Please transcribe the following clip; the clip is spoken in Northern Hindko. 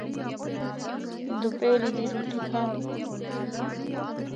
دوپہری دی رُٹّی کھادی۔